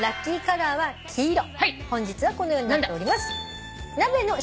本日はこのようになっております。